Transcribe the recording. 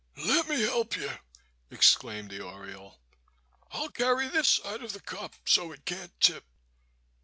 "Let me help you." exclaimed the oriole. "I'll carry this side of the cup, so it can't tip."